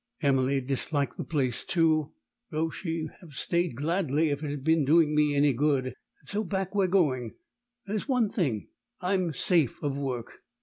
Emily disliked the place, too; though she'd have stayed gladly if it had been doing me any good. And so back we're going. There's one thing: I'm safe of work.